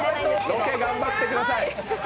ロケ、頑張ってください！